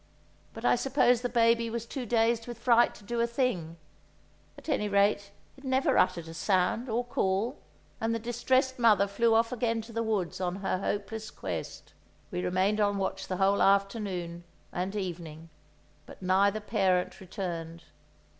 But I suppose the baby was too dazed with fright to do a thing, at any rate it never uttered a sound or call; and the distressed mother flew off again to the woods on her hopeless quest. We remained on watch the whole afternoon and evening; but neither parent returned.